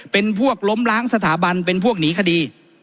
เป็นพวกล้มล้างสถาบันเป็นพวกหนีคดี